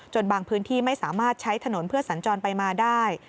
บางพื้นที่ไม่สามารถใช้ถนนเพื่อสัญจรไปมาได้